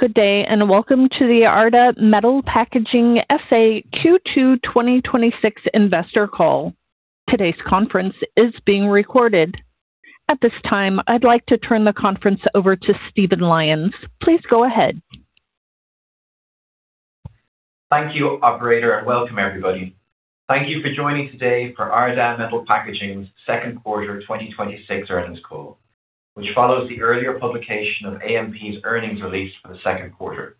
Good day, and welcome to the Ardagh Metal Packaging S.A. Q2 2026 Investor Call. Today's conference is being recorded. At this time, I'd like to turn the conference over to Stephen Lyons. Please go ahead. Thank you, operator, and welcome everybody. Thank you for joining today for Ardagh Metal Packaging Second Quarter 2026 Earnings Call, which follows the earlier publication of AMP's earnings release for the second quarter.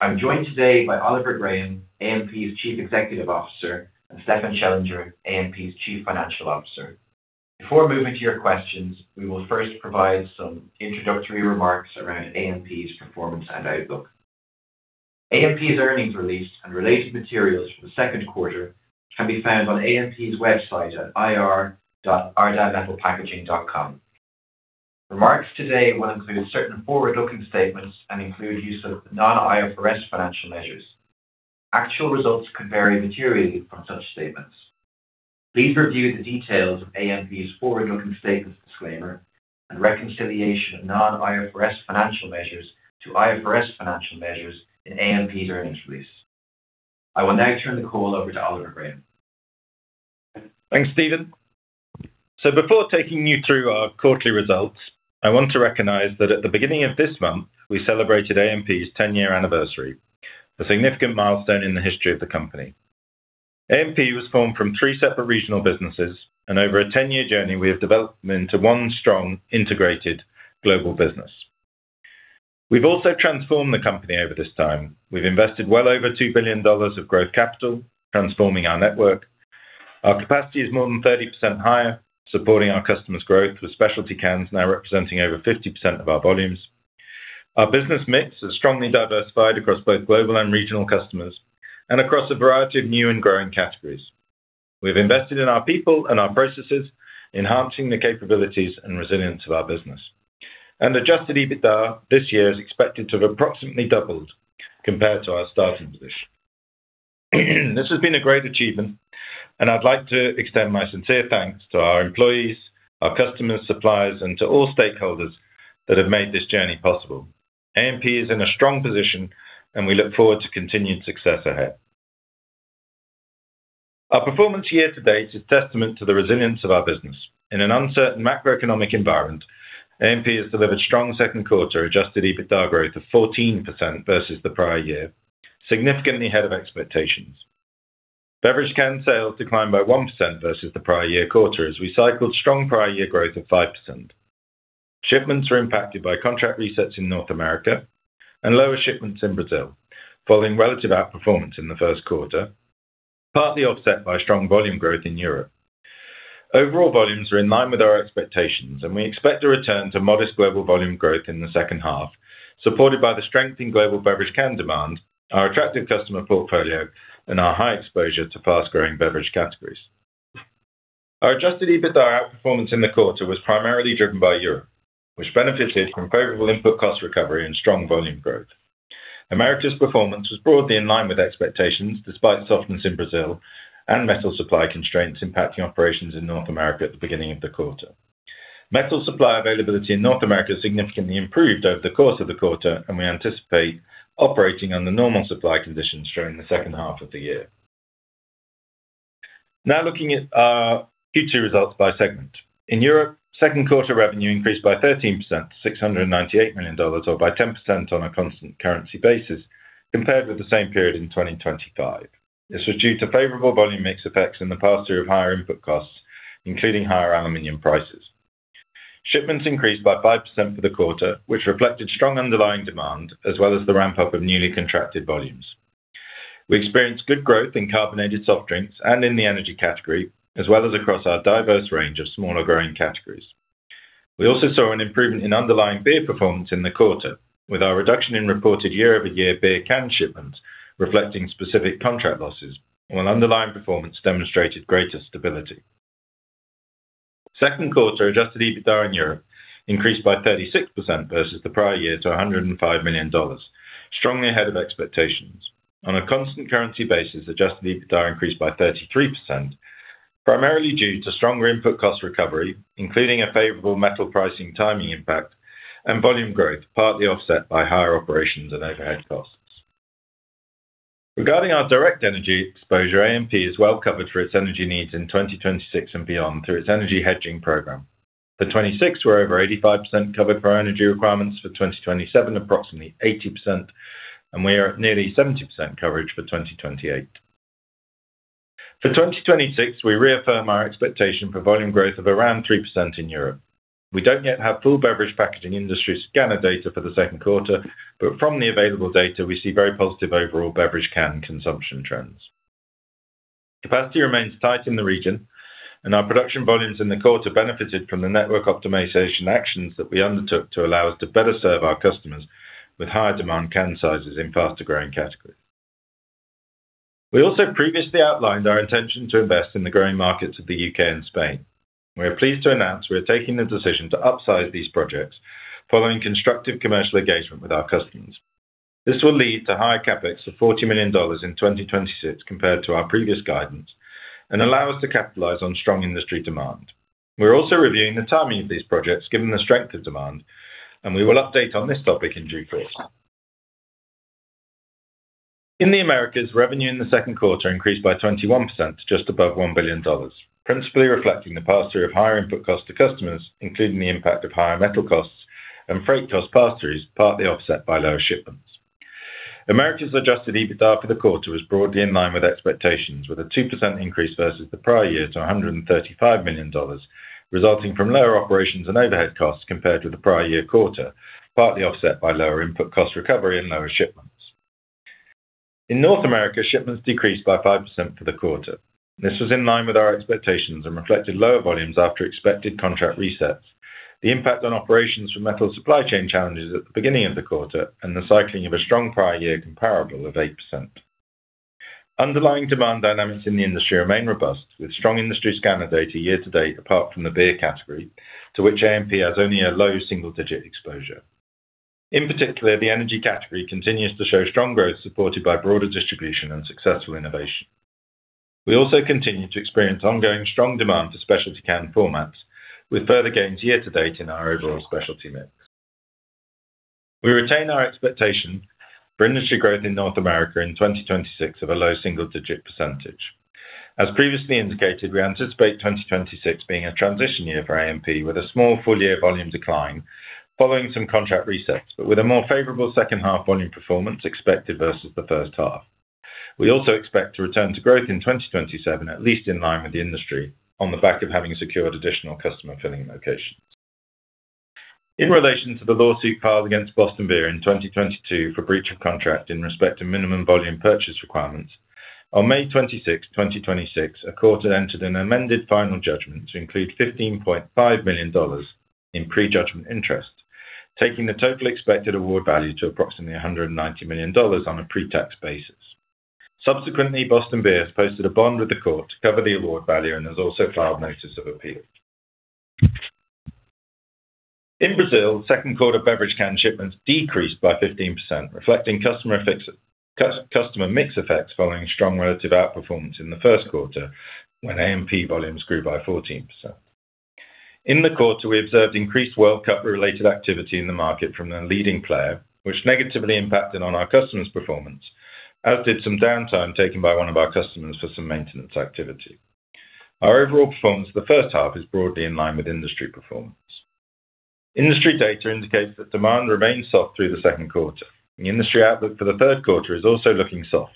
I'm joined today by Oliver Graham, AMP's Chief Executive Officer, and Stefan Schellinger, AMP's Chief Financial Officer. Before moving to your questions, we will first provide some introductory remarks around AMP's performance and outlook. AMP's earnings release and related materials for the second quarter can be found on AMP's website at ir.ardaghmetalpackaging.com. Remarks today will include certain forward-looking statements and include use of non-IFRS financial measures. Actual results could vary materially from such statements. Please review the details of AMP's forward-looking statements disclaimer and reconciliation of non-IFRS financial measures to IFRS financial measures in AMP's earnings release. I will now turn the call over to Oliver Graham. Thanks, Stephen. Before taking you through our quarterly results, I want to recognize that at the beginning of this month, we celebrated AMP's 10-year anniversary, a significant milestone in the history of the company. AMP was formed from three separate regional businesses, and over a 10-year journey, we have developed into one strong, integrated global business. We've also transformed the company over this time. We've invested well over $2 billion of growth capital, transforming our network. Our capacity is more than 30% higher, supporting our customers' growth, with specialty cans now representing over 50% of our volumes. Our business mix is strongly diversified across both global and regional customers, and across a variety of new and growing categories. We've invested in our people and our processes, enhancing the capabilities and resilience of our business. Adjusted EBITDA this year is expected to have approximately doubled compared to our starting position. This has been a great achievement and I'd like to extend my sincere thanks to our employees, our customers, suppliers, and to all stakeholders that have made this journey possible. AMP is in a strong position and we look forward to continued success ahead. Our performance year-to-date is testament to the resilience of our business. In an uncertain macroeconomic environment, AMP has delivered strong second quarter adjusted EBITDA growth of 14% versus the prior year, significantly ahead of expectations. Beverage can sales declined by 1% versus the prior year quarter as we cycled strong prior year growth of 5%. Shipments were impacted by contract resets in North America and lower shipments in Brazil following relative outperformance in the first quarter, partly offset by strong volume growth in Europe. Overall volumes are in line with our expectations, and we expect a return to modest global volume growth in the second half, supported by the strength in global beverage can demand, our attractive customer portfolio, and our high exposure to fast-growing beverage categories. Our adjusted EBITDA outperformance in the quarter was primarily driven by Europe, which benefited from favorable input cost recovery and strong volume growth. Americas performance was broadly in line with expectations, despite softness in Brazil and metal supply constraints impacting operations in North America at the beginning of the quarter. Metal supply availability in North America significantly improved over the course of the quarter, and we anticipate operating under normal supply conditions during the second half of the year. Now looking at our Q2 results by segment. In Europe, second quarter revenue increased by 13% to $698 million, or by 10% on a constant currency basis, compared with the same period in 2025. This was due to favorable volume mix effects and the pass-through of higher input costs, including higher aluminum prices. Shipments increased by 5% for the quarter, which reflected strong underlying demand, as well as the ramp-up of newly contracted volumes. We experienced good growth in carbonated soft drinks and in the energy category, as well as across our diverse range of smaller growing categories. We also saw an improvement in underlying beer performance in the quarter, with our reduction in reported year-over-year beer can shipments reflecting specific contract losses, while underlying performance demonstrated greater stability. Second quarter adjusted EBITDA in Europe increased by 36% versus the prior year to $105 million, strongly ahead of expectations. On a constant currency basis, adjusted EBITDA increased by 33%, primarily due to stronger input cost recovery, including a favorable metal pricing timing impact and volume growth, partly offset by higher operations and overhead costs. Regarding our direct energy exposure, AMP is well covered for its energy needs in 2026 and beyond through its energy hedging program. For 2026, we're over 85% covered for our energy requirements. For 2027, approximately 80%, and we are at nearly 70% coverage for 2028. For 2026, we reaffirm our expectation for volume growth of around 3% in Europe. We don't yet have full beverage packaging industry scanner data for the second quarter, but from the available data, we see very positive overall beverage can consumption trends. Capacity remains tight in the region, and our production volumes in the quarter benefited from the network optimization actions that we undertook to allow us to better serve our customers with higher demand can sizes in faster growing categories. We also previously outlined our intention to invest in the growing markets of the U.K. and Spain. We are pleased to announce we are taking the decision to upsize these projects following constructive commercial engagement with our customers. This will lead to higher CapEx of $40 million in 2026 compared to our previous guidance and allow us to capitalize on strong industry demand. We're also reviewing the timing of these projects, given the strength of demand, and we will update on this topic in due course. In the Americas, revenue in the second quarter increased by 21% to just above $1 billion, principally reflecting the pass-through of higher input cost to customers, including the impact of higher metal costs and freight cost pass-throughs, partly offset by lower shipments. Americas' adjusted EBITDA for the quarter was broadly in line with expectations, with a 2% increase versus the prior year to $135 million, resulting from lower operations and overhead costs compared with the prior year quarter, partly offset by lower input cost recovery and lower shipments. In North America, shipments decreased by 5% for the quarter. This was in line with our expectations and reflected lower volumes after expected contract resets. The impact on operations from metal supply chain challenges at the beginning of the quarter and the cycling of a strong prior year comparable of 8%. Underlying demand dynamics in the industry remain robust, with strong industry scanner data year to date, apart from the beer category, to which AMP has only a low single-digit exposure. In particular, the energy category continues to show strong growth supported by broader distribution and successful innovation. We also continue to experience ongoing strong demand for specialty can formats, with further gains year to date in our overall specialty mix. We retain our expectation for industry growth in North America in 2026 of a low single-digit percentage. As previously indicated, we anticipate 2026 being a transition year for AMP with a small full year volume decline following some contract resets, but with a more favorable second half volume performance expected versus the first half. We also expect to return to growth in 2027, at least in line with the industry, on the back of having secured additional customer filling locations. In relation to the lawsuit filed against Boston Beer in 2022 for breach of contract in respect to minimum volume purchase requirements, on May 26, 2026, a court entered an amended final judgment to include $15.5 million in prejudgment interest, taking the total expected award value to approximately $190 million on a pre-tax basis. Subsequently, Boston Beer has posted a bond with the court to cover the award value and has also filed notice of appeal. In Brazil, second quarter beverage can shipments decreased by 15%, reflecting customer mix effects following strong relative outperformance in the first quarter, when AMP volumes grew by 14%. In the quarter, we observed increased World Cup related activity in the market from a leading player, which negatively impacted on our customer's performance, as did some downtime taken by one of our customers for some maintenance activity. Our overall performance for the first half is broadly in line with industry performance. Industry data indicates that demand remains soft through the second quarter. The industry outlook for the third quarter is also looking soft.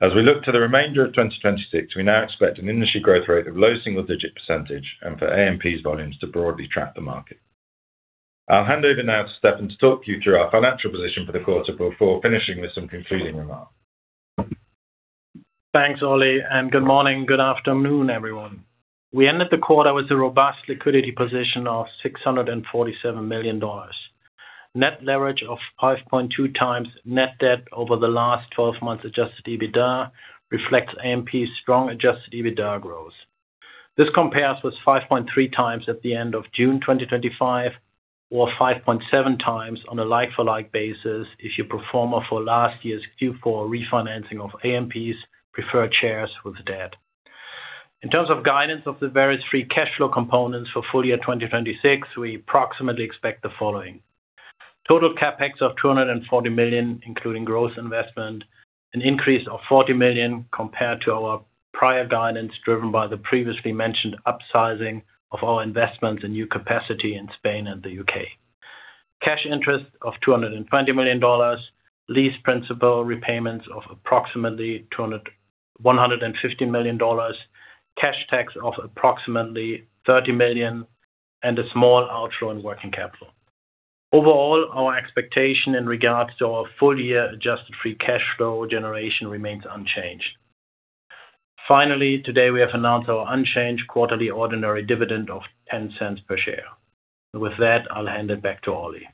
As we look to the remainder of 2026, we now expect an industry growth rate of low single-digit percentage and for AMP's volumes to broadly track the market. I'll hand over now to Stefan to talk you through our financial position for the quarter before finishing with some concluding remarks. Thanks, Ollie, good morning, good afternoon, everyone. We ended the quarter with a robust liquidity position of $647 million. Net leverage of 5.2x net debt over the last 12 months adjusted EBITDA reflects AMP's strong adjusted EBITDA growth. This compares with 5.3x at the end of June 2025 or 5.7x on a like-for-like basis if you pro forma for last year's Q4 refinancing of AMP's preferred shares with debt. In terms of guidance of the various free cash flow components for full year 2026, we approximately expect the following. Total CapEx of $240 million, including growth investment, an increase of $40 million compared to our prior guidance, driven by the previously mentioned upsizing of our investments in new capacity in Spain and the U.K. Cash interest of $220 million, lease principal repayments of approximately $150 million, cash tax of approximately $30 million, a small outflow in working capital. Overall, our expectation in regards to our full year adjusted free cash flow generation remains unchanged. Finally, today, we have announced our unchanged quarterly ordinary dividend of $0.10 per share. With that, I'll hand it back to Ollie.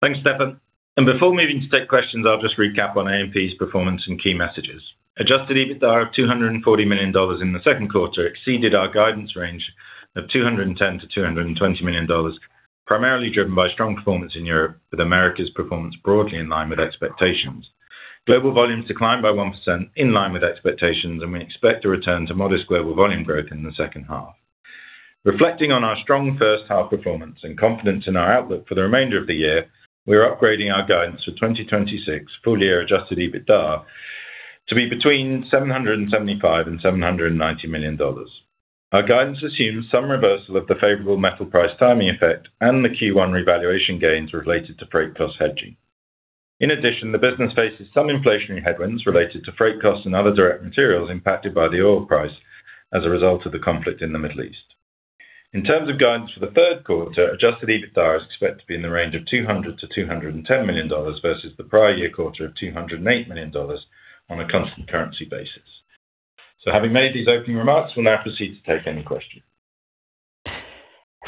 Thanks, Stefan. Before moving to take questions, I'll just recap on AMP's performance and key messages. Adjusted EBITDA of $240 million in the second quarter exceeded our guidance range of $210 million-$220 million, primarily driven by strong performance in Europe, with America's performance broadly in line with expectations. Global volumes declined by 1% in line with expectations, we expect to return to modest global volume growth in the second half. Reflecting on our strong first half performance and confidence in our outlook for the remainder of the year, we are upgrading our guidance for 2026 full year adjusted EBITDA to be between $775 million and $790 million. Our guidance assumes some reversal of the favorable metal price timing effect and the Q1 revaluation gains related to freight cost hedging. In addition, the business faces some inflationary headwinds related to freight costs and other direct materials impacted by the oil price as a result of the conflict in the Middle East. In terms of guidance for the third quarter, adjusted EBITDA is expected to be in the range of $200 million-$210 million versus the prior year quarter of $208 million on a constant currency basis. Having made these opening remarks, we'll now proceed to take any questions.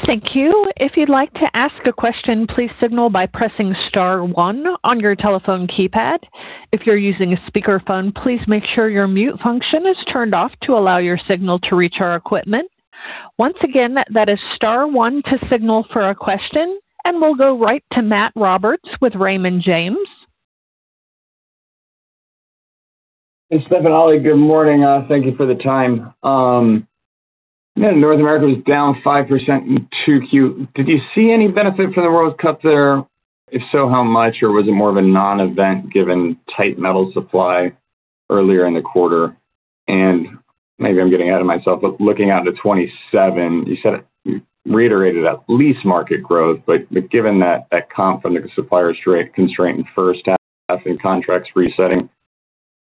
Thank you. If you'd like to ask a question, please signal by pressing star one on your telephone keypad. If you're using a speakerphone, please make sure your mute function is turned off to allow your signal to reach our equipment. Once again, that is star one to signal for a question, and we'll go right to Matt Roberts with Raymond James. Hey, Stefan and Ollie. Good morning. Thank you for the time. North America was down 5% in 2Q. Did you see any benefit from the World Cup there? If so, how much? Or was it more of a non-event, given tight metal supply earlier in the quarter? Maybe I'm getting ahead of myself, looking out to 2027, you reiterated at least market growth, given that confident supplier constraint in the first half and contracts resetting,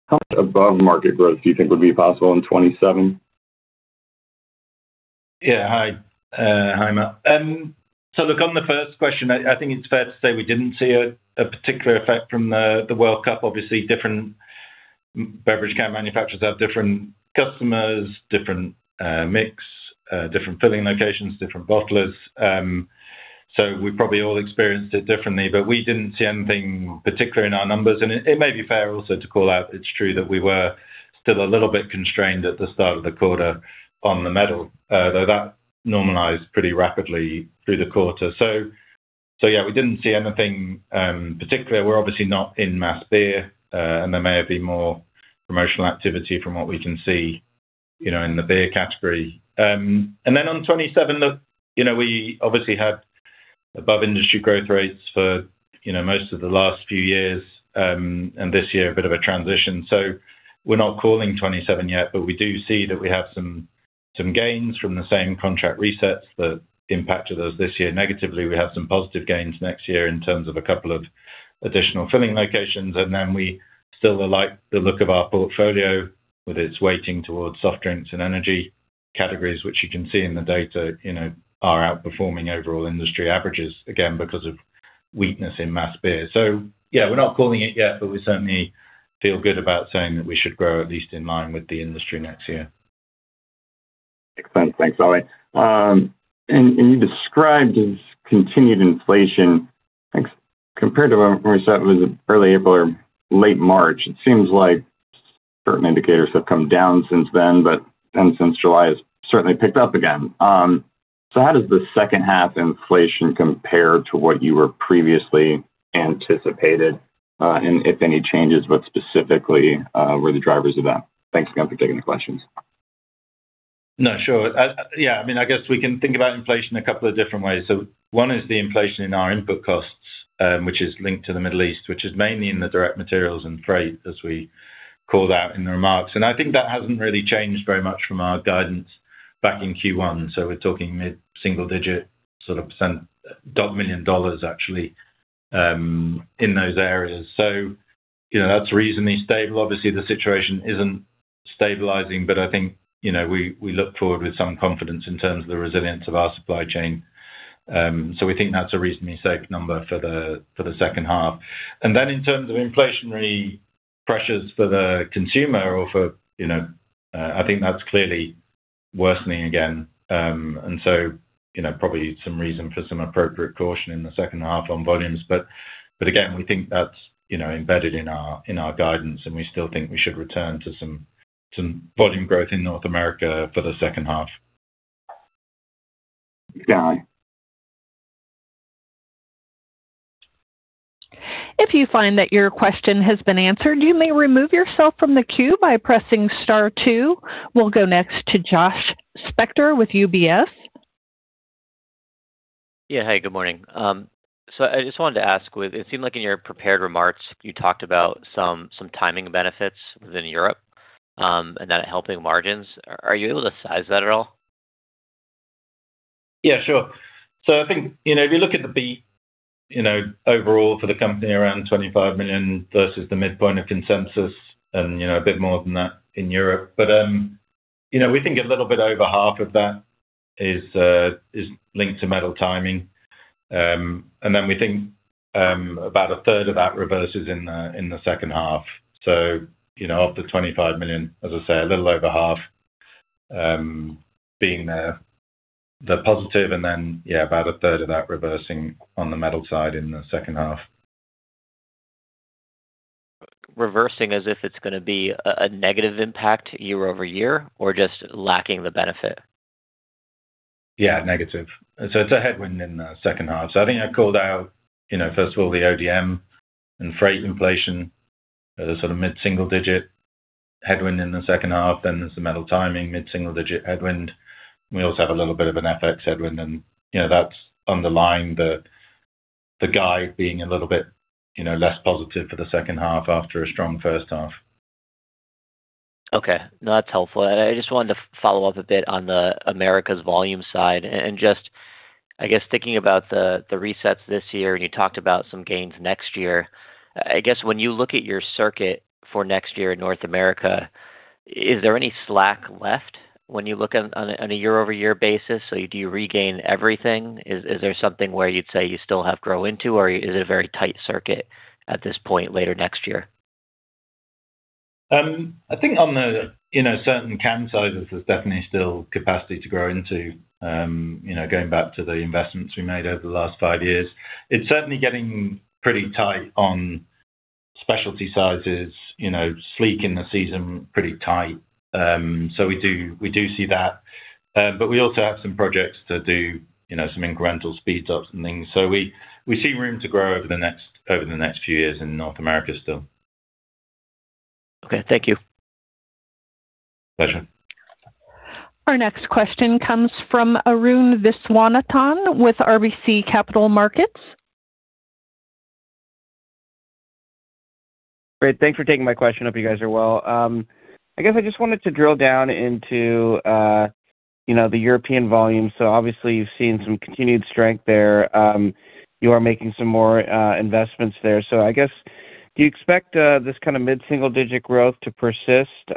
how much above market growth do you think would be possible in 2027? Hi, Matt. Look, on the first question, I think it's fair to say we didn't see a particular effect from the World Cup. Obviously, different beverage can manufacturers have different customers, different mix, different filling locations, different bottlers. We probably all experienced it differently, but we didn't see anything particular in our numbers. It may be fair also to call out, it's true that we were still a little bit constrained at the start of the quarter on the metal, though that normalized pretty rapidly through the quarter. We didn't see anything particular. We're obviously not in mass beer, and there may have been more promotional activity from what we can see in the beer category. On 2027, look, we obviously had above-industry growth rates for most of the last few years, and this year, a bit of a transition. We're not calling 2027 yet, we do see that we have some gains from the same contract resets that impacted us this year negatively. We have some positive gains next year in terms of a couple of additional filling locations. We still like the look of our portfolio with its weighting towards soft drinks and energy categories, which you can see in the data are outperforming overall industry averages, again, because of weakness in mass beer. We're not calling it yet, we certainly feel good about saying that we should grow at least in line with the industry next year. Makes sense. Thanks, Ollie. You described this continued inflation, I think compared to when we said it was early April or late March, it seems like certain indicators have come down since then. Since July, it's certainly picked up again. How does the second half inflation compare to what you were previously anticipated? If any changes, what specifically were the drivers of that? Thanks again for taking the questions. Sure. I guess we can think about inflation a couple of different ways. One is the inflation in our input costs, which is linked to the Middle East, which is mainly in the direct materials and freight as we call out in the remarks. I think that hasn't really changed very much from our guidance back in Q1. We're talking mid-single digit percent, $12 million actually in those areas. That's reasonably stable. Obviously, the situation isn't stabilizing, I think, we look forward with some confidence in terms of the resilience of our supply chain. We think that's a reasonably safe number for the second half. Then in terms of inflationary pressures for the consumer, I think that's clearly worsening again. Probably some reason for some appropriate caution in the second half on volumes. Again, we think that's embedded in our guidance. We still think we should return to some volume growth in North America for the second half. Got it. If you find that your question has been answered, you may remove yourself from the queue by pressing star two. We'll go next to Josh Spector with UBS. Yeah. Hey, good morning. I just wanted to ask, it seemed like in your prepared remarks, you talked about some timing benefits within Europe, and that helping margins. Are you able to size that at all? Yeah, sure. I think, if you look at the beat, overall for the company around $25 million versus the midpoint of consensus, and a bit more than that in Europe. We think a little bit over half of that is linked to metal timing. We think about a third of that reverses in the second half. Of the $25 million, as I say, a little over half being the positive and then, yeah, about a third of that reversing on the metal side in the second half. Reversing as if it's going to be a negative impact year-over-year, or just lacking the benefit? Yeah, negative. It's a headwind in the second half. I think I called out, first of all, the ODM and freight inflation as a sort of mid-single digit headwind in the second half. There's the metal timing, mid-single digit headwind. We also have a little bit of an FX headwind. That's underlying the guide being a little bit less positive for the second half after a strong first half. Okay. No, that's helpful. I just wanted to follow up a bit on the Americas volume side and just, I guess, thinking about the resets this year. You talked about some gains next year. I guess when you look at your circuit for next year in North America, is there any slack left when you look on a year-over-year basis? Do you regain everything? Is there something where you'd say you still have grow into, or is it a very tight circuit at this point later next year? I think on the certain can sizes, there's definitely still capacity to grow into, going back to the investments we made over the last five years. It's certainly getting pretty tight on specialty sizes, sleek in the season, pretty tight. We do see that, but we also have some projects to do some incremental speed ups and things. We see room to grow over the next few years in North America still. Okay. Thank you. Pleasure. Our next question comes from Arun Viswanathan with RBC Capital Markets. Great. Thanks for taking my question. Hope you guys are well. I guess I just wanted to drill down into the European volume. Obviously you've seen some continued strength there. You are making some more investments there. I guess, do you expect this kind of mid-single digit growth to persist?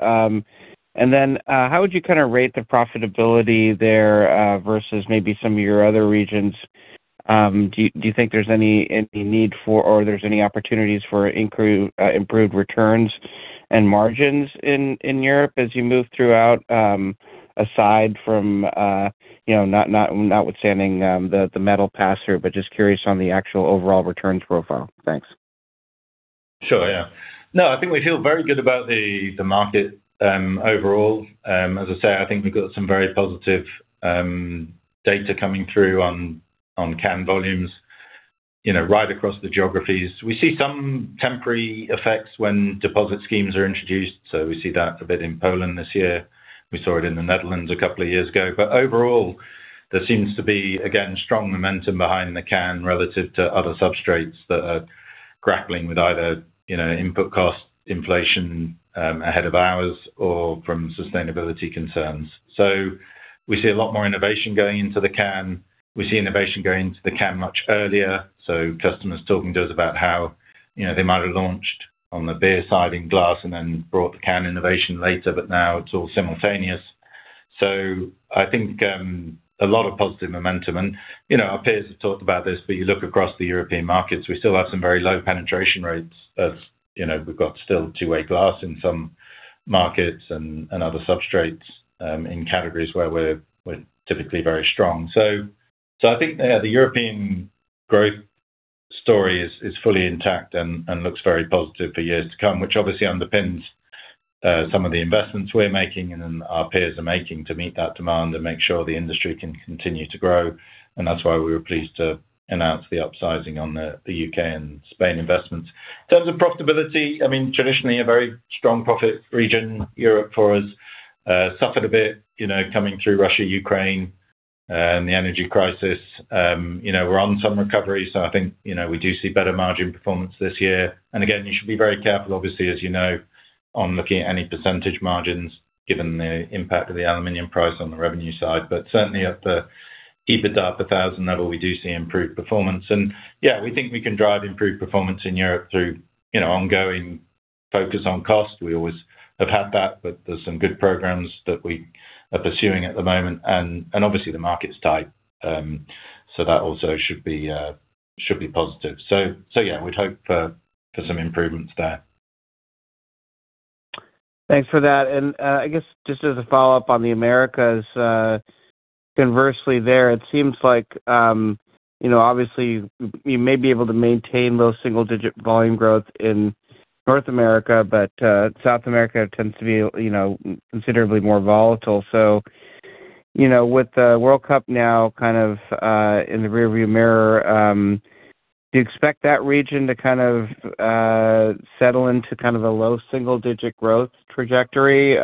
And then how would you rate the profitability there versus maybe some of your other regions? Do you think there's any need for or there's any opportunities for improved returns and margins in Europe as you move throughout, aside from notwithstanding the metal pass through, but just curious on the actual overall returns profile. Thanks. Sure, yeah. I think we feel very good about the market overall. As I say, I think we've got some very positive data coming through on can volumes right across the geographies. We see some temporary effects when deposit schemes are introduced. We see that a bit in Poland this year. We saw it in the Netherlands a couple of years ago. Overall, there seems to be, again, strong momentum behind the can relative to other substrates that are grappling with either input cost inflation ahead of ours or from sustainability concerns. We see a lot more innovation going into the can. We see innovation going into the can much earlier. Customers talking to us about how they might have launched on the beer side in glass and then brought the can innovation later, but now it's all simultaneous. I think a lot of positive momentum and our peers have talked about this, but you look across the European markets, we still have some very low penetration rates as we've got still two-way glass in some markets and other substrates in categories where we're typically very strong. I think the European growth story is fully intact and looks very positive for years to come, which obviously underpins some of the investments we're making and our peers are making to meet that demand and make sure the industry can continue to grow. That's why we were pleased to announce the upsizing on the U.K. and Spain investments. In terms of profitability, traditionally a very strong profit region, Europe for us. Suffered a bit coming through Russia, Ukraine, the energy crisis. We're on some recovery, I think we do see better margin performance this year. Again, you should be very careful obviously as you know, on looking at any percentage margins given the impact of the aluminum price on the revenue side. Certainly at the EBITDA 1,000 level, we do see improved performance. Yeah, we think we can drive improved performance in Europe through ongoing focus on cost. We always have had that, but there's some good programs that we are pursuing at the moment. Obviously the market's tight, so that also should be positive. Yeah, we'd hope for some improvements there. Thanks for that. I guess just as a follow-up on the Americas, conversely there, it seems like obviously you may be able to maintain low single digit volume growth in North America, but South America tends to be considerably more volatile. With the World Cup now kind of in the rear view mirror, do you expect that region to settle into a low single digit growth trajectory?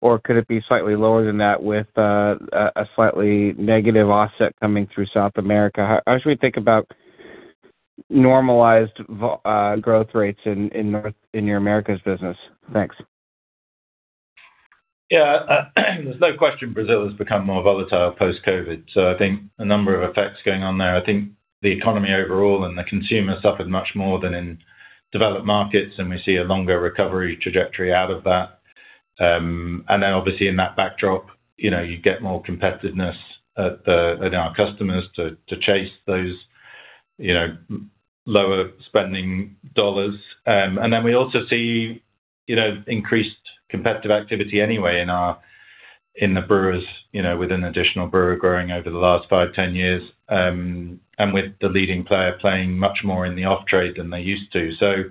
Or could it be slightly lower than that with a slightly negative offset coming through South America? How should we think about normalized growth rates in your Americas business? Thanks. Yeah. There's no question Brazil has become more volatile post-COVID. I think a number of effects going on there. I think the economy overall and the consumer suffered much more than in developed markets, and we see a longer recovery trajectory out of that. Then obviously in that backdrop, you get more competitiveness at our customers to chase those lower spending dollars. Then we also see increased competitive activity anyway in the brewers, with an additional brewer growing over the last five, 10 years. With the leading player playing much more in the off-trade than they used to.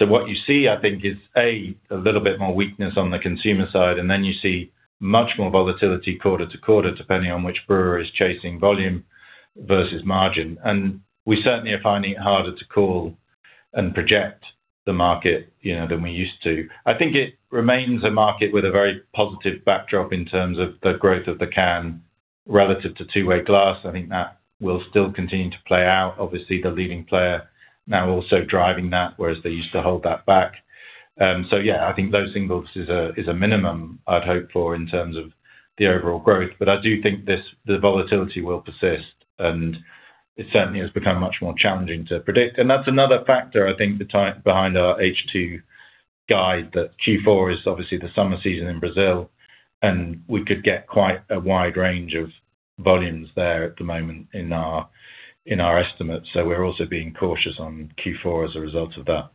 What you see, I think is, A, a little bit more weakness on the consumer side, and then you see much more volatility quarter to quarter, depending on which brewer is chasing volume versus margin. We certainly are finding it harder to call and project the market than we used to. I think it remains a market with a very positive backdrop in terms of the growth of the can relative to two-way glass. I think that will still continue to play out. Obviously, the leading player now also driving that, whereas they used to hold that back. Yeah, I think low singles is a minimum I'd hope for in terms of the overall growth. I do think the volatility will persist, and it certainly has become much more challenging to predict. That's another factor I think behind our H2 guide, that Q4 is obviously the summer season in Brazil, and we could get quite a wide range of volumes there at the moment in our estimates. We're also being cautious on Q4 as a result of that.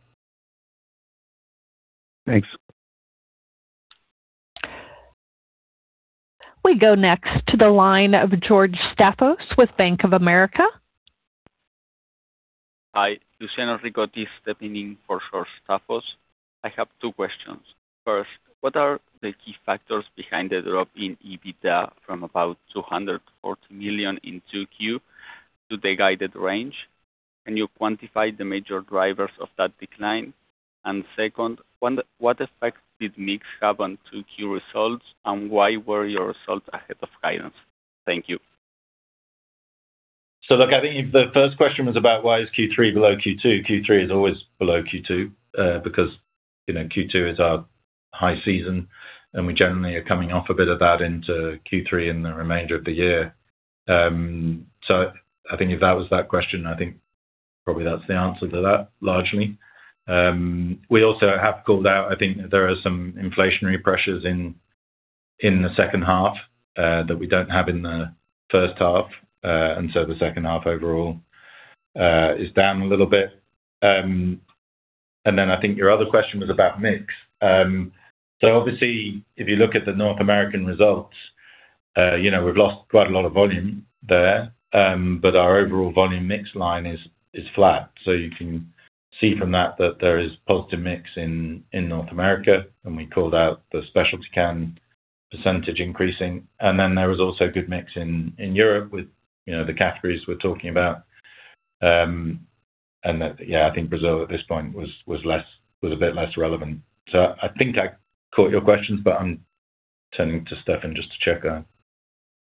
Thanks We go next to the line of George Staphos with Bank of America. Hi, Luciano Ricotti stepping in for George Staphos. I have two questions. First, what are the key factors behind the drop in EBITDA from about $240 million in 2Q to the guided range? Can you quantify the major drivers of that decline? Second, what effect did mix have on 2Q results, and why were your results ahead of guidance? Thank you. Look, I think the first question was about why is Q3 below Q2. Q3 is always below Q2, because Q2 is our high season, and we generally are coming off a bit of that into Q3 and the remainder of the year. I think if that was that question, I think probably that's the answer to that, largely. We also have called out, I think that there are some inflationary pressures in the second half that we don't have in the first half. The second half overall is down a little bit. I think your other question was about mix. Obviously, if you look at the North American results, we've lost quite a lot of volume there. Our overall volume mix line is flat. You can see from that there is positive mix in North America, and we called out the specialty can percentage increasing. There was also good mix in Europe with the categories we're talking about. That, yeah, I think Brazil at this point was a bit less relevant. I think I caught your questions, but I'm turning to Stefan just to check I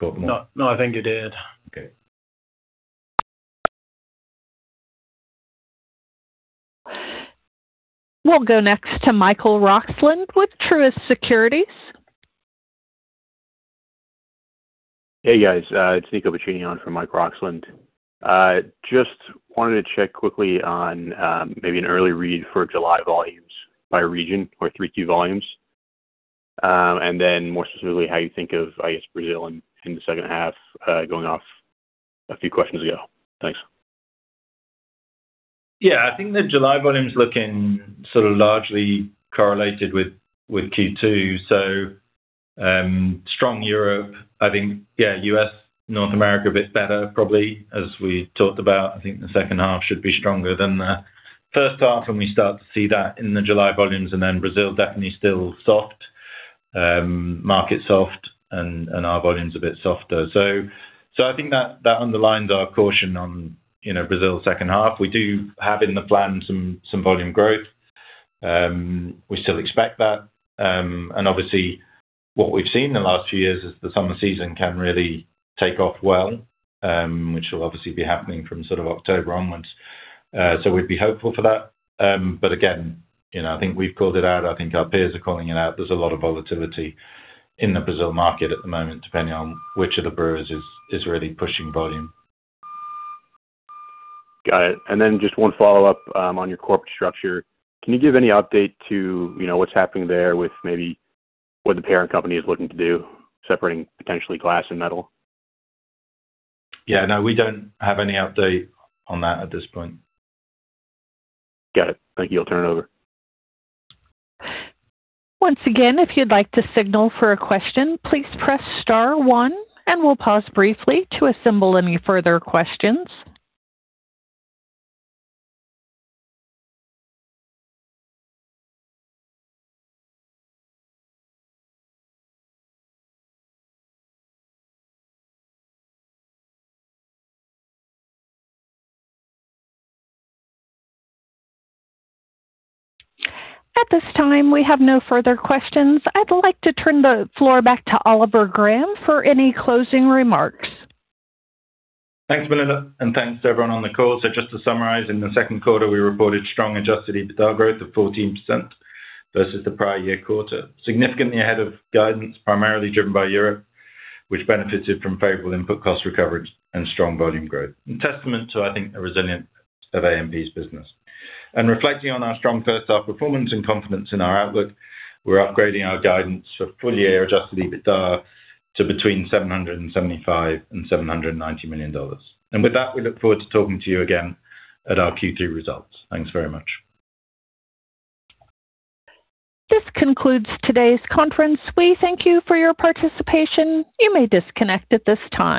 got them all. No, I think you did. Okay. We'll go next to Michael Roxland with Truist Securities. Hey, guys. It's Niccolo Piccini on for Mike Roxland. Just wanted to check quickly on maybe an early read for July volumes by region or 3Q volumes. More specifically, how you think of, I guess, Brazil in the second half, going off a few questions ago. Thanks. I think the July volumes looking sort of largely correlated with Q2. Strong Europe, I think. U.S., North America a bit better probably. As we talked about, I think the second half should be stronger than the first half, we start to see that in the July volumes. Brazil definitely still soft. Market soft and our volumes a bit softer. I think that underlines our caution on Brazil second half. We do have in the plan some volume growth. We still expect that. Obviously what we've seen in the last few years is the summer season can really take off well, which will obviously be happening from sort of October onwards. We'd be hopeful for that. Again, I think we've called it out. I think our peers are calling it out. There's a lot of volatility in the Brazil market at the moment, depending on which of the brewers is really pushing volume. Got it. Just one follow-up on your corporate structure. Can you give any update to what's happening there with maybe what the parent company is looking to do, separating potentially glass and metal? Yeah, no, we don't have any update on that at this point. Got it. Thank you. I'll turn it over. Once again, if you'd like to signal for a question, please press star one, and we'll pause briefly to assemble any further questions. At this time, we have no further questions. I'd like to turn the floor back to Oliver Graham for any closing remarks. Thanks, Melinda, and thanks to everyone on the call. Just to summarize, in the second quarter, we reported strong adjusted EBITDA growth of 14% versus the prior year quarter. Significantly ahead of guidance, primarily driven by Europe, which benefited from favorable input cost recovery and strong volume growth. Testament to, I think, the resilience of AMP's business. Reflecting on our strong first half performance and confidence in our outlook, we're upgrading our guidance for full-year adjusted EBITDA to between $775 million and $790 million. With that, we look forward to talking to you again at our Q3 results. Thanks very much. This concludes today's conference. We thank you for your participation. You may disconnect at this time.